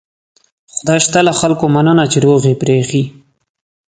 خدای شته له خلکو مننه چې روغ یې پرېښي.